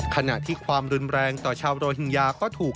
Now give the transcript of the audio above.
ขณะที่ความรุนแรงต่อชาวโรฮิงญาก็ถูก